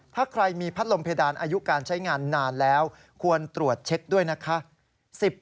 ถ้าใครมีพัดลมเพดานอายุการใช้งานนานแล้วควรตรวจเช็คด้วยนะคะ